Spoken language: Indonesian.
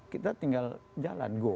kita tinggal jalan